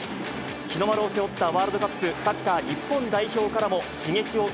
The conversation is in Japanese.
日の丸を背負ったワールドカップサッカー日本代表からも刺激を受